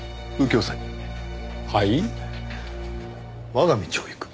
我が道を行く。